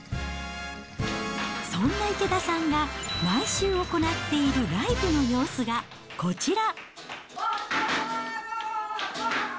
そんな池田さんが毎週行っているライブの様子がこちら。